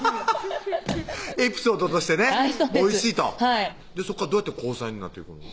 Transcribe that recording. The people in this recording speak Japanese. ハハハッエピソードとしてねおいしいとはいそこからどうやって交際になっていくの？